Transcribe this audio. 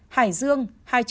hải dương hai trăm sáu mươi tám